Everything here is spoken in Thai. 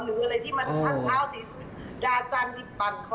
หรืออะไรที่มันท่านเท้าสีดาจันทร์ที่ปัดคอ